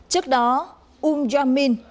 trước đó um jong min